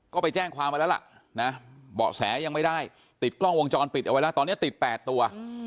ก็ไปแจ้งความไว้แล้วล่ะนะเบาะแสยังไม่ได้ติดกล้องวงจรปิดเอาไว้แล้วตอนนี้ติด๘ตัว